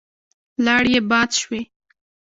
لاړې يې باد شوې.